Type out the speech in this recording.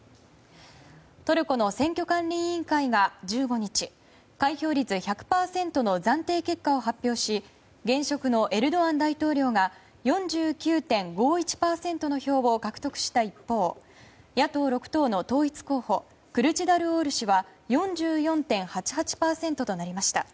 トルコの選挙管理委員会が１５日開票率１００％の暫定結果を発表し現職のエルドアン大統領が４９．５１％の票を獲得した一方野党６党の統一候補クルチダルオール氏は４４．８８％となりました。